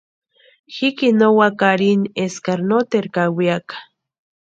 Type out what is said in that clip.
Jikini no úaka arhini eskari noteru kawiaka.